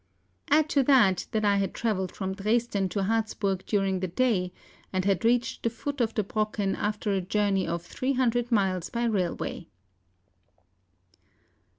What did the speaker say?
Add to that, that I had travelled from Dresden to Harzburg during the day, and had reached the foot of the Brocken after a journey of 300 miles by railway.